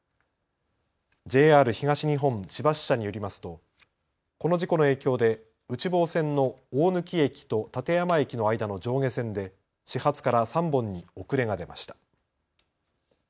ＪＲ東日本千葉支社によりますとこの事故の影響で内房線の大貫駅と館山駅の間の上下線で始発から３本に遅れが出ました。